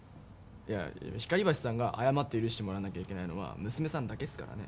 いや、光橋さんが謝って許してもらわなきゃいけないのは娘さんだけっすからね。